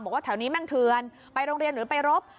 แถวนี้แม่งเทือนไปโรงเรียนหรือไปรบ